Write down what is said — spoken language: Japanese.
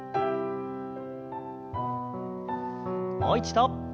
もう一度。